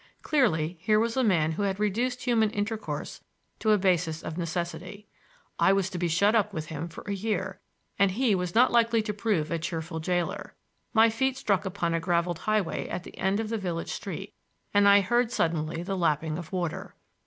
Clearly, here was a man who had reduced human intercourse to a basis of necessity. I was to be shut up with him for a year, and he was not likely to prove a cheerful jailer. My feet struck upon a graveled highway at the end of the village street, and I heard suddenly the lapping of water.